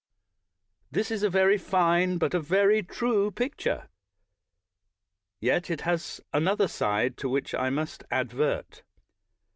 This is a very fine, but a very true picture; yet it has another side to which I must advert.